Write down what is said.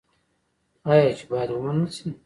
آیا چې باید ومنل شي؟